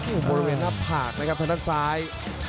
โอ้บริเวณหน้าภาคนะครับทะนั้นซ้าย